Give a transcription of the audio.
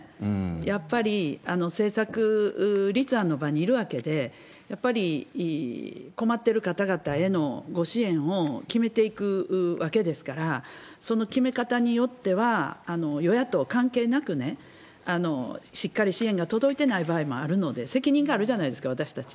やっぱり政策立案の場にいるわけで、やっぱり困ってる方々へのご支援を決めていくわけですから、その決め方によっては、与野党関係なくね、しっかり支援が届いてない場合もあるので、責任があるじゃないですか、私たち。